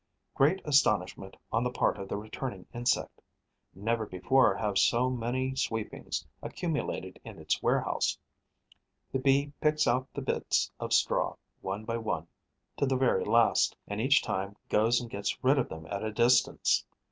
Great astonishment on the part of the returning insect. Never before have so many sweepings accumulated in its warehouse. The Bee picks out the bits of straw, one by one, to the very last, and each time goes and gets rid of them at a distance.